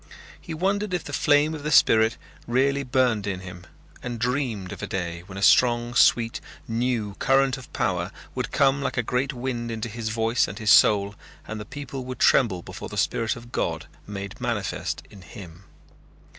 He wondered if the flame of the spirit really burned in him and dreamed of a day when a strong sweet new current of power would come like a great wind into his voice and his soul and the people would tremble before the spirit of God made manifest in him.